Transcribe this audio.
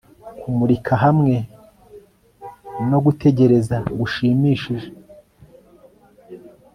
Kumurika hamwe no gutegereza gushimishije